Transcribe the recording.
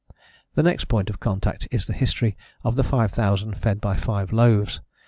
The next point of contact is the history of the 5000 fed by five loaves (ch.